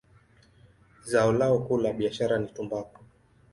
Zao lao kuu la biashara ni tumbaku.